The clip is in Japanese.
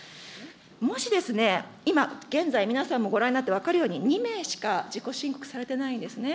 もし今、現在、皆さんもご覧になって分かるように、２名しか自己申告されてないんですね。